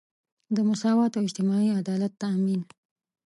د مساوات او اجتماعي عدالت تامین.